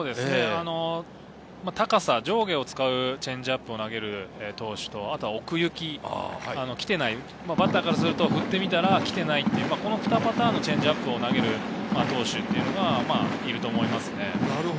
高さ、上下を使うチェンジアップを投げる投手と、あとは奥行き、バッターからすると、振ってみたら来ていない、この２パターンを投げる投手がいると思いますね。